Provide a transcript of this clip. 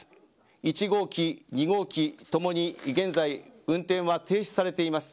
１号機、２号機ともに現在、運転は停止されています。